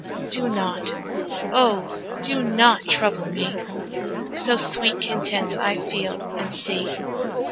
Do not, O do not trouble me, So sweet content I feel and see.